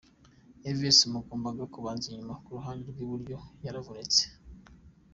Alves wagombaga kubanza inyuma ku ruhande rw’iburyo yaravunitse.